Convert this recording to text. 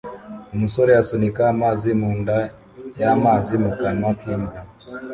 Umusore asunika amazi mu mbunda y'amazi mu kanwa k'imbwa